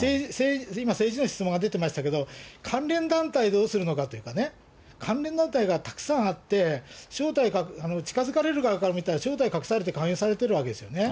今、政治の質問が出てましたけれども、関連団体どうするのかとかね、関連団体がたくさんあって、正体、近づかれる側から見たら、正体隠されて勧誘されてるわけですよね。